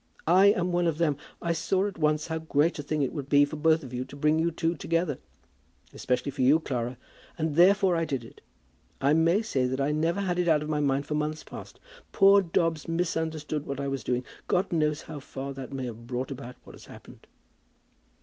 I am one of them. I saw at once how great a thing it would be for both of you to bring you two together, especially for you, Clara; and therefore I did it. I may say that I never had it out of my mind for months past. Poor Dobbs misunderstood what I was doing. God knows how far that may have brought about what has happened."